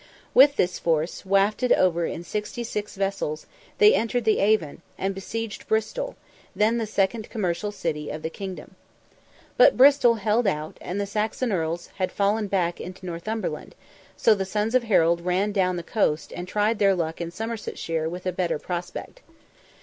With this force, wafted over in sixty six vessels, they entered the Avon, and besieged Bristol, then the second commercial city of the kingdom. But Bristol held out, and the Saxon Earls had fallen back into Northumberland, so the sons of Harold ran down the coast, and tried their luck in Somersetshire with a better prospect.